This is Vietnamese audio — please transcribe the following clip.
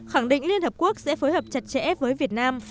khẳng định liên hợp quốc sẽ phối hợp chặt chẽ với việt nam